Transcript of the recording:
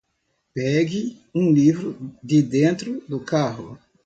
Pegue um livro de dentro do carro